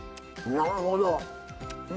なるほど。